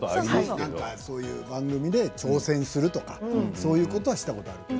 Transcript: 番組で挑戦するとかそういうことはしたことがあります。